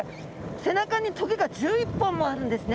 背中に棘が１１本もあるんですね。